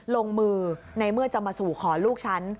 ลงมือในเมื่อจะมาสู่ขอลูกฉัน